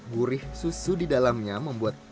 gurih susu di dalamnya membuat